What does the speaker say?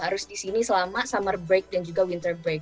harus di sini selama summer break dan juga winter break